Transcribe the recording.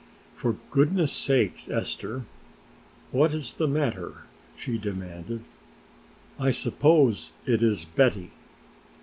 "For goodness' sake, Esther, what is the matter?" she demanded. "I suppose it is Betty!"